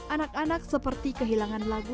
anak anak seperti kehilangan lagu